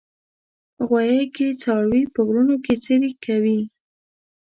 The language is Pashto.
غویی کې څاروي په غرونو کې څرې کوي.